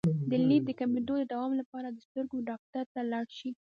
د لید د کمیدو د دوام لپاره د سترګو ډاکټر ته لاړ شئ